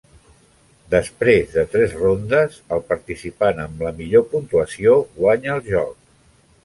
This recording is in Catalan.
Després de tres rondes, el participant amb la millor puntuació guanya el joc.